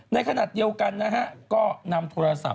ในขณะเดียวกันน้ะฮะ